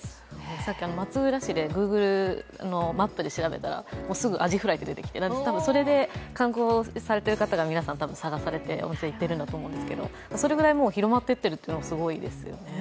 さっき、松浦市でＧｏｏｇｌｅマップで調べたらすぐアジフライと出てきて、それで観光されている方が皆さん、多分探されてお店に行っていると思うんですけど、それぐらい広まっていってるっていうのがすごいですよね。